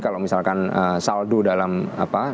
kalau misalkan saldo dalam apa